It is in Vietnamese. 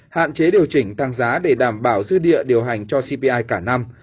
hạn chế điều chỉnh tăng giá để đảm bảo dư địa điều hành cho cpi cả năm